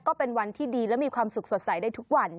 ก็เป็นวันที่ดีและมีความสุขสดใสได้ทุกวัน